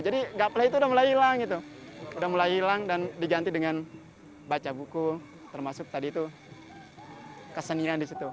jadi gapleh itu udah mulai hilang gitu udah mulai hilang dan diganti dengan baca buku termasuk tadi itu kesenian di situ